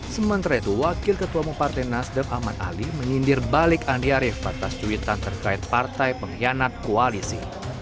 sementara itu wakil ketua mempartai nasdem ahmad ali menyindir balik andi arief batas cuitan terkait partai pengkhianat koalisi